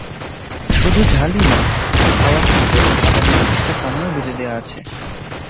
শুধু ঝালই নয়, খাওয়ার ক্ষেত্রে আবার নির্দিষ্ট সময়ও বেঁধে দেওয়া আছে।